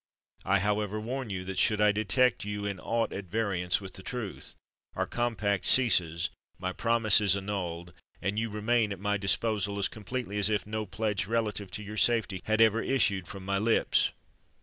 I however warn you, that should I detect you in aught at variance with the truth, our compact ceases—my promise is annulled—and you remain at my disposal as completely as if no pledge relative to your safety had ever issued from my lips.